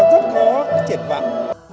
rất có triệt vắng